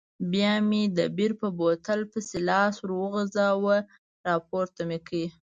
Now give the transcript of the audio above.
بیا مې د بیر په بوتل پسې لاس وروغځاوه، راپورته مې کړ.